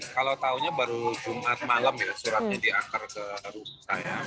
kalau tahunya baru jumat malam ya suratnya diangkat ke rupsa ya